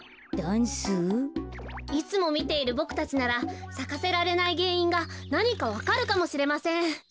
いつもみているボクたちならさかせられないげんいんがなにかわかるかもしれません。